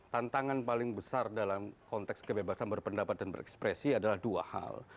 tantangan paling besar dalam konteks kebebasan berpendapat dan berekspresi adalah dua hal